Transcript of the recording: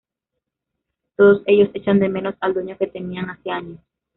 Todos ellos echan de menos al dueño que tenían hace años.